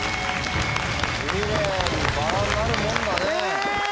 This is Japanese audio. キレイにバラになるもんだね。